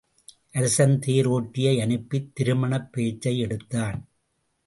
அரசன் தேர் ஒட்டியை அனுப்பித் திருமணப் பேச்சை எடுத்தான்.